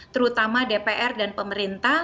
terutama dpr dan pemerintah